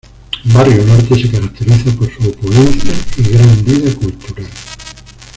Barrio Norte se caracteriza por su opulencia y gran vida cultural.